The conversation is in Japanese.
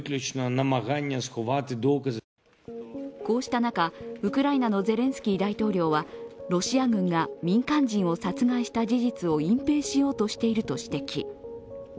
こうした中、ウクライナのゼレンスキー大統領は、ロシア軍が民間人を殺害した事実を隠蔽しようとしていると指摘。